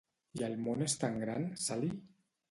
I el món és tan gran, Sally!